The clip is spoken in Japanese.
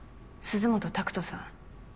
鈴本拓人さん